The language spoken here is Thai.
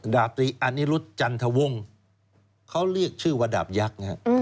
ดาบตรีอานิรุธจันทวงเขาเรียกชื่อว่าดาบยักษ์